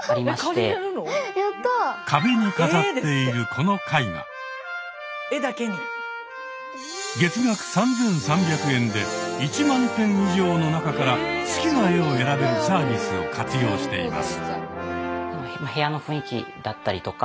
壁に飾っているこの絵画月額３，３００円で１万点以上の中から好きな絵を選べるサービスを活用しています。